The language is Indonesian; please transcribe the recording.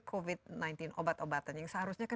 covid sembilan belas obat obatan yang seharusnya